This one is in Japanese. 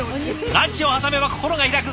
ランチを挟めば心が開く。